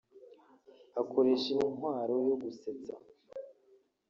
akoresha intwaro yo gusetsa